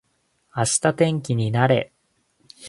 明日天気になれ